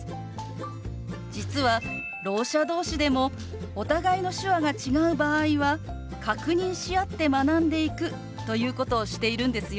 実はろう者同士でもお互いの手話が違う場合は確認し合って学んでいくということをしているんですよ。